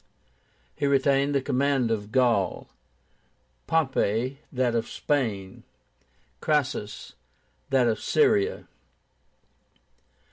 He retained the command of Gaul; Pompey, that of Spain; Crassus, that of Syria.